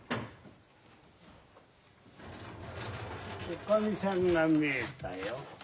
・おかみさんが見えたよ。